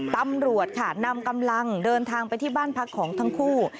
ตำรวจค่ะนำกำลังเดินทางไปที่บ้านพักของทั้งคู่